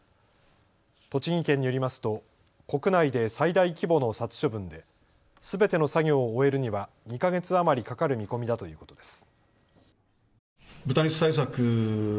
栃木県によりますと国内で最大規模の殺処分ですべての作業を終えるには２か月余りかかる見込みだということです。